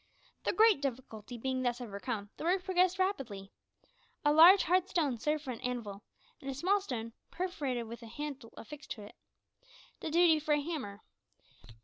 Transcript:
The great difficulty being thus overcome, the work progressed rapidly. A large hard stone served for an anvil, and a small stone, perforated, with a handle affixed to it, did duty for a hammer.